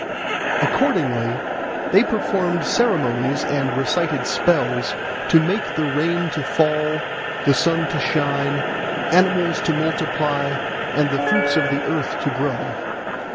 Accordingly they performed ceremonies and recited spells to make the rain to fall, the sun to shine, animals to multiply, and the fruits of the earth to grow.